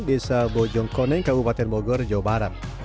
desa bojongkoneng kabupaten bogor jawa barat